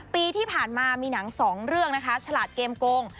ปีที่ผ่านมามีหนังสองเรื่องนะคะฉลาดเกมโกง